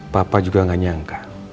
papa juga gak nyangka